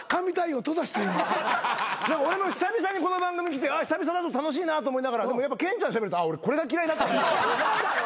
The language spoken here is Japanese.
俺も久々にこの番組来て久々だと楽しいなと思いながらでもやっぱ健ちゃんしゃべると俺これが嫌いだったんだ。